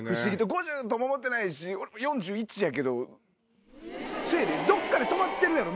５０とも思ってないし俺も４１やけどどっかで止まってるやろ？